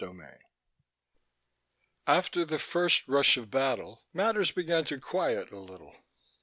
20 After the first rush of battle, matters began to quiet a little.